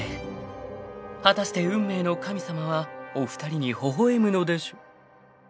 ［果たして運命の神様はお二人にほほ笑むのでしょ］